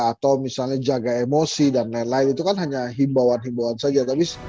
atau misalnya jaga emosi dan lain lain itu kan hanya himbauan himbauan saja